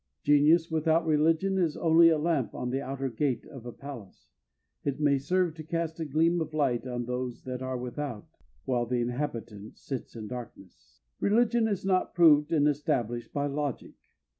Genius without religion is only a lamp on the outer gate of a palace. It may serve to cast a gleam of light on those that are without, while the inhabitant sits in darkness. Religion is not proved and established by logic.